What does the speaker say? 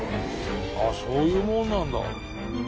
そういうもんなんだ。